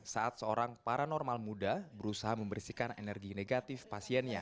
saat seorang paranormal muda berusaha membersihkan energi negatif pasiennya